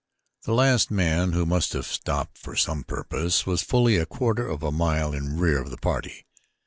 The last man, who must have stopped for some purpose, was fully a quarter of a mile in rear of the party.